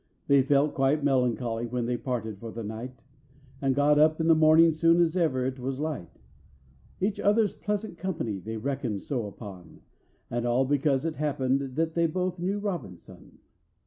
They felt quite melancholy when they parted for the night, And got up in the morning soon as ever it was light; Each other's pleasant company they reckoned so upon, And all because it happened that they both knew ROBINSON!